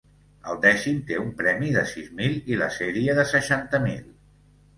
El dècim té un premi de sis mil i la sèrie de seixanta mil.